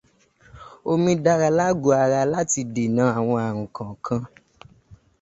Omi dára lágọ̀ọ́ ara láti dènà àwọn ààrùn kọ̀ọ̀kan.